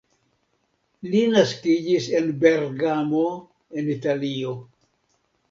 Li naskiĝis en Bergamo en Italio.